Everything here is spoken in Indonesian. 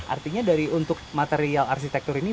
artinya dari untuk material arsitektur ini